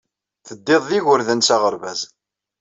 Teddid d yigerdan s aɣerbaz.